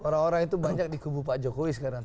orang orang itu banyak di kubu pak jokowi sekarang